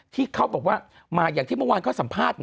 ที่เขาบอกว่ามาอย่างที่เมื่อวานเขาสัมภาษณ์